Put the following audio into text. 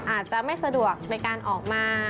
อาจจะไม่สะดวกในการออกมา